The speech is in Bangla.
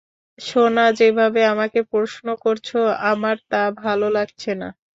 সোনা, যেভাবে আমাকে প্রশ্ন করছ আমার তা ভালো লাগছে না।